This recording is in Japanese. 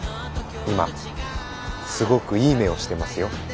今すごくいい目をしてますよ。